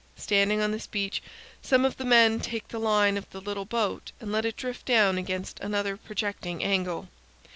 Standing on this beach, some of the men take the line of the little boat and let it drift down against another projecting angle.